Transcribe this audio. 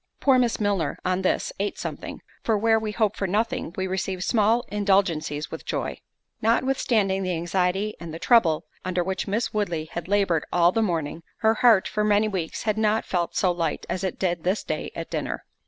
Poor Miss Milner, on this, ate something; for where we hope for nothing, we receive small indulgencies with joy. Notwithstanding the anxiety and trouble under which Miss Woodley had laboured all the morning, her heart for many weeks had not felt so light as it did this day at dinner.